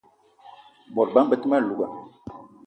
Bot bama be te ma louga